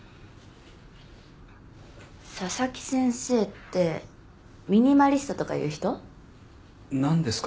佐々木先生ってミニマリストとかいう人？なんですか？